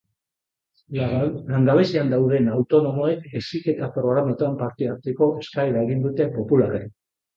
Langabezian dauden autonomoek heziketa programetan parte hartzeko eskaera egin dute popularrek.